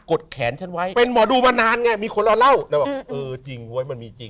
ดแขนฉันไว้เป็นหมอดูมานานไงมีคนเอาเหล้าแล้วบอกเออจริงเว้ยมันมีจริง